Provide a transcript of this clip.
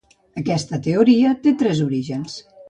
Aquesta teoria té tres orígens.